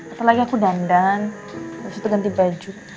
apalagi aku dandan